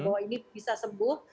bahwa ini bisa sebut